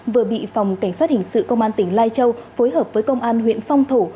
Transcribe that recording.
vừa bị phòng cảnh sát hình sự công an tỉnh lai châu phối hợp với công an huyện phong thổ